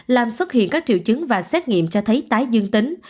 làm xuất hiện các triệu chứng và xét nghiệm cho thấy tái dương tính